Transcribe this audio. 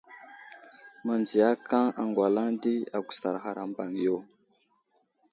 Məndziyakaŋ aŋgwalaŋ di agusar ghar a mbaŋ yo.